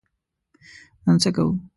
نن څه کوو؟